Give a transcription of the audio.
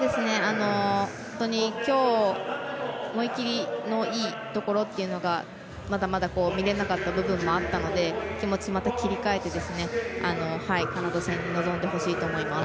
本当に、きょう思い切りのいいところっていうのがまだまだ見れなかった部分もあったので気持ち、また切り替えてカナダ戦に臨んでほしいと思います。